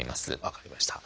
分かりました。